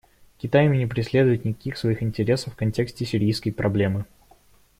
Китай не преследует никаких своих интересов в контексте сирийской проблемы.